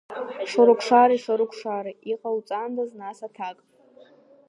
Шорокшари, Шорокшари, иҟауҵандаз, нас, аҭак…